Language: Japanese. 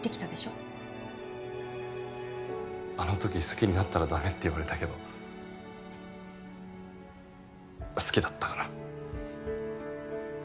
あの時好きになったら駄目って言われたけど好きだったから。